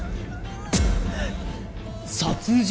殺人！